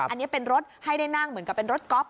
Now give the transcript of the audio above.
อันนี้เป็นรถให้ได้นั่งเหมือนกับเป็นรถก๊อฟ